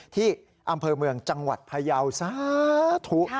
ที่อำเภอเมืองจังหวัดพยาวสาธุ